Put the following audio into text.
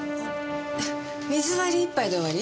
水割り１杯で終わり？